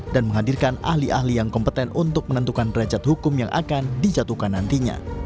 dan menghadirkan ahli ahli yang kompeten untuk menentukan rejat hukum yang akan dijatuhkan nantinya